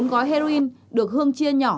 bốn gói heroin được hương chia nhỏ